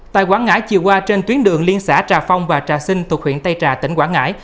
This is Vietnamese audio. tại quảng ngãi chiều qua trên tuyến đường liên xã trà phong và trà sinh thuộc huyện tây trà tỉnh quảng ngãi